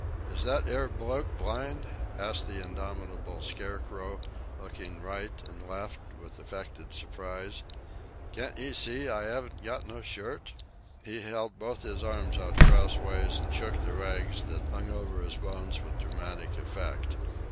"Is that 'ere bloke blind?" asked the indomitable scarecrow, looking right and left with affected surprise. "Can't 'ee see I 'aven't got no shirt?" He held both his arms out crosswise and shook the rags that hung over his bones with dramatic effect.